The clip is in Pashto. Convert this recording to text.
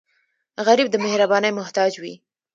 غریب د مهربانۍ محتاج وي